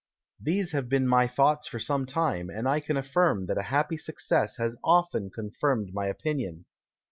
These have been my Thoughts for some Time, and I can affirm that a happy Success has often confirm'd my Opinion.